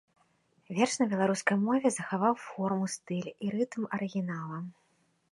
Верш на беларускай мове захаваў форму, стыль і рытм арыгінала.